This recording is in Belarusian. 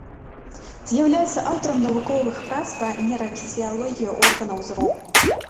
З'яўляецца аўтарам навуковых прац па нейрафізіялогіі органаў зроку.